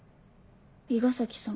伊賀崎さん？